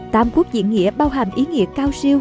tam quốc diện nghĩa bao hàm ý nghĩa cao siêu